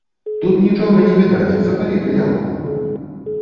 Тут нічога не відаць, запалі ты лямпу!